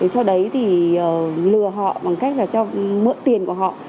sau đấy thì lừa họ bằng cách là cho mượn tiền của họ